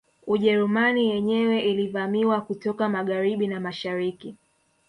Ujerumani yenyewe ilivamiwa kutoka Magharibi na mashariki